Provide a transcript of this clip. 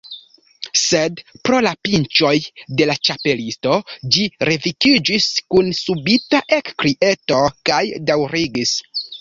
Sed pro la pinĉoj de la Ĉapelisto, ĝi revekiĝis kun subita ekkrieto, kaj daŭrigis.